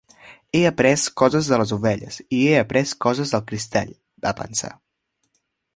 He après coses de les ovelles i he après coses del cristall, va pensar.